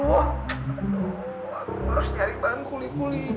aduh harus nyari banget kuli kuli